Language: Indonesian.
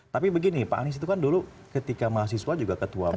tapi begini pak anies itu kan dulu ketika mahasiswa juga ketua umum